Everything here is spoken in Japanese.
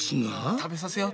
食べさせよう